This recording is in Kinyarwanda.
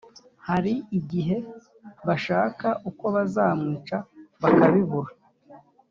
hari igihe bashaka uko bazamwica bakabibura